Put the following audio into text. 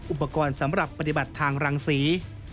อุปกรณ์สำหรับปฏิบัติทางรังศรี